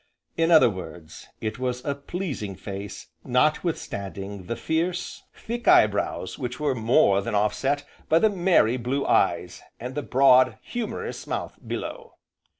In other words, it was a pleasing face notwithstanding the fierce, thick eye brows which were more than offset by the merry blue eyes, and the broad, humourous mouth below.